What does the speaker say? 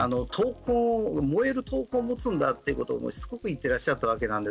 燃える闘魂を持つんだということをすごく言っていらっしゃいました。